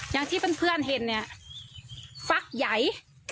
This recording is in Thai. อย่างที่เพื่อนเพื่อนเห็นเนี้ยปั๊กใหญ่